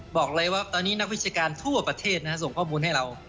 บอกเลยว่าตอนนี้นักวิชาการทั่วประเทศส่งข้อมูลให้เรา